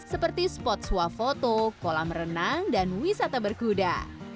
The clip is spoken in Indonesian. seperti spot swafoto kolam renang dan wisata berkuda